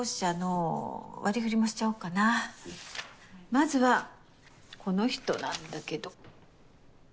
まずはこの人なんだけど。